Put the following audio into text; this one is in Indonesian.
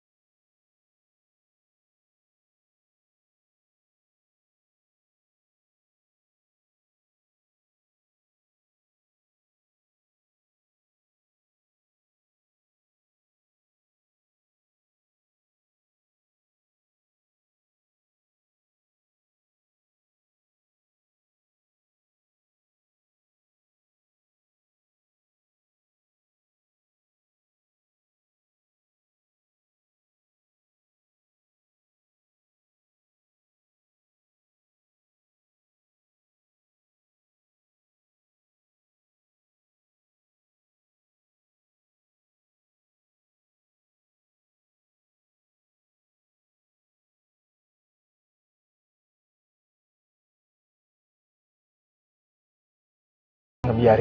nih aku mau tidur